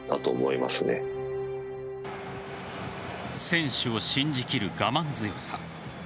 選手を信じきる我慢強さ。